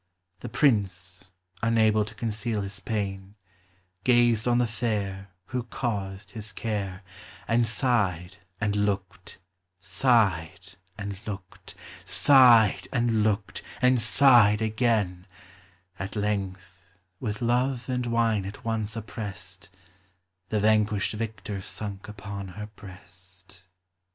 The prince, unable to conceal his pain, Gazed on the fair AVho caused his care, And sighed and looked, sighed and looked, Sighed and looked, and sighed again : At length, with love and wine at once oppressed* The vanquished victor sunk upon her breast.